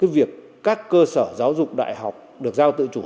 việc các cơ sở giáo dục đại học được giao tự chủ